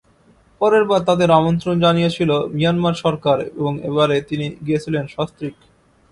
পরেরবার তাঁদের আমন্ত্রণ জানিয়েছিল মিয়ানমার সরকার এবং এবারে তিনি গিয়েছিলেন সস্ত্রীক।